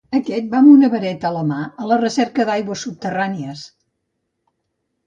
Aquest va amb una vareta a la mà a la recerca d'aigües subterrànies.